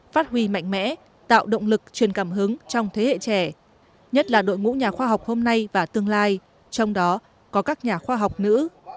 phát huy mạnh mẽ tạo động lực truyền cảm hứng trong thế hệ trẻ nhất là đội ngũ nhà khoa học hôm nay và tương lai trong đó có các nhà khoa học nữ